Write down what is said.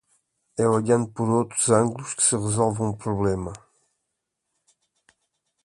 É olhando por outros ângulos que se resolve um problema